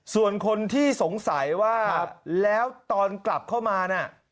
ส่วนคนที่สงสัยว่าแล้วตอนกลับเข้ามาน่ะ